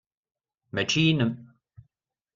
Mačči inem.